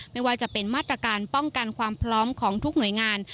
ไม่ว่าจะเป็นมาตรการป้องกันความพร้อมของทุกหน่วยงาน